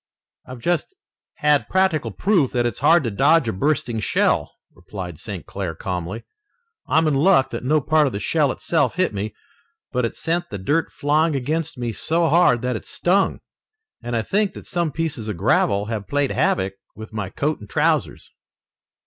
"I've just had practical proof that it's hard to dodge a bursting shell," replied St. Clair calmly. "I'm in luck that no part of the shell itself hit me, but it sent the dirt flying against me so hard that it stung, and I think that some pieces of gravel have played havoc with my coat and trousers."